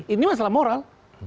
ini masalah moral